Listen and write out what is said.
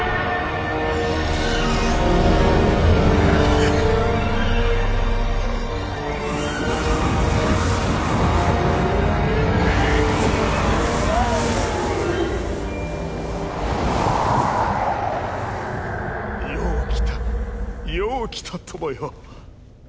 ううよう来たよう来た友よ